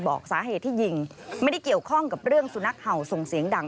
บอกสาเหตุที่ยิงไม่ได้เกี่ยวข้องกับเรื่องสุนัขเห่าส่งเสียงดัง